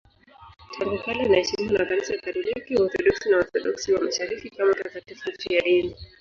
Tangu kale anaheshimiwa na Kanisa Katoliki, Waorthodoksi na Waorthodoksi wa Mashariki kama mtakatifu mfiadini.